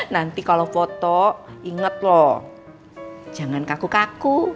nanti kalau foto inget loh jangan kaku kaku